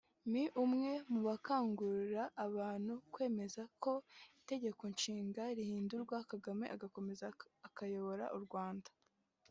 Mi umwe mu bakangurira abantu kwemera ko itegeko nshinga rihindurwa Kagame agakomeza kuyobora u Rwanda